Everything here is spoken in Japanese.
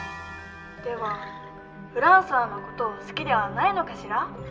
ではフランソワの事を好きではないのかしら？